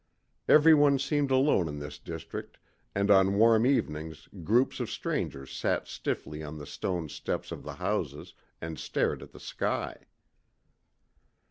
Everyone seemed alone in this district and on warm evenings groups of strangers sat stiffly on the stone steps of the houses and stared at the sky.